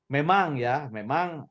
memang ya memang